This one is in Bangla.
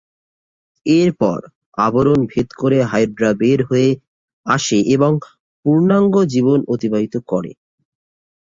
এরপর আবরণ ভেদ করে হাইড্রা বের হয়ে আসে এবং পূর্ণাঙ্গ জীবন অতিবাহিত করে।